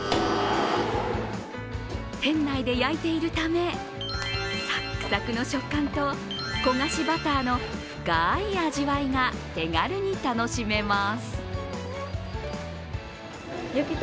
店内で焼いているためサックサクの食感と焦がしバターの深い味わいが手軽に楽しめます。